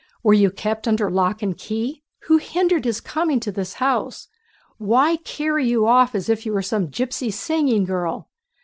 "Were you kept under lock and key? Who hindered his coming to the house? Why carry you off as if you were some gypsy singing girl?...